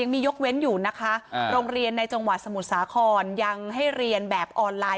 มียกเว้นอยู่นะคะโรงเรียนในจังหวัดสมุทรสาครยังให้เรียนแบบออนไลน